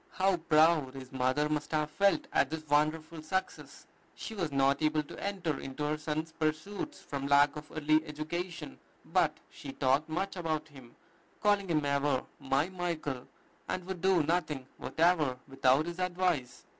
How proud his mother must have felt at this wonderful success! She was not able to enter into her son's pursuits from lack of early education; but she talked much about him, calling him ever, "my Michael"; and would do nothing whatever without his advice.